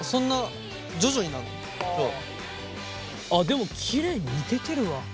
あっでもきれいにむけてるわ。